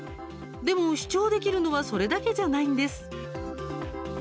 でも、視聴できるのはそれだけじゃないんです。